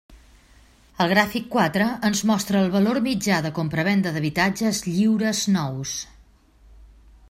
El gràfic quatre ens mostra el valor mitjà de compravenda d'habitatges lliures nous.